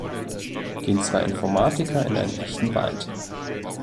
Gehen zwei Informatiker in einen echten Wald.